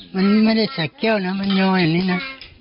มันไม่ได้สักแก้วนะมันยออย่างนี้นะ